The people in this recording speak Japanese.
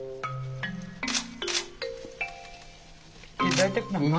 大体。